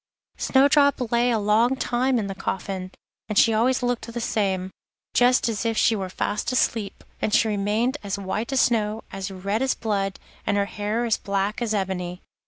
Snowdrop lay a long time in the coffin, and she always looked the same, just as if she were fast asleep, and she remained as white as snow, as red as blood, and her hair as black as ebony.